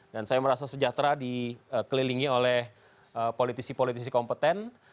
dan saya merasa sejahtera dikelilingi oleh politisi politisi kompeten